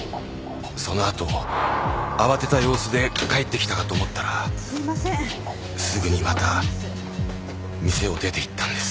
そのあと慌てた様子で帰ってきたかと思ったらすぐにまた店を出ていったんです。